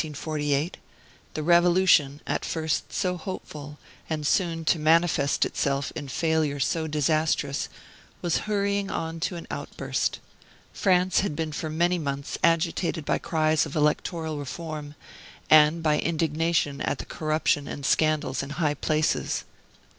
The Revolution, at first so hopeful, and soon to manifest itself in failure so disastrous, was hurrying to an outburst. France had been for many months agitated by cries of electoral reform, and by indignation at the corruption and scandals in high places.